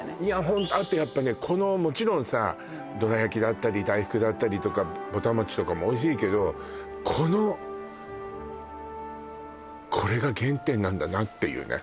ホントあとやっぱねこのもちろんさどらやきだったり大福だったりとかぼた餅とかもおいしいけどこのこれが原点なんだなっていうね